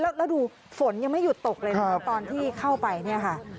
แล้วดูฝนยังไม่หยุดตกเลยนะคะตอนที่เข้าไปเนี่ยค่ะ